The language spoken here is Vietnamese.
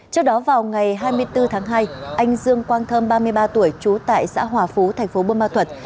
trước đó vào ngày hai mươi bốn tháng hai anh dương quang thơm ba mươi ba tuổi trú tại xã hòa phú tp buôn ma thuật